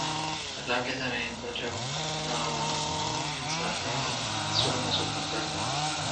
اللہ کی زمین پر جب ناانصافی ہو ، ظلم و ستم بڑھ جائے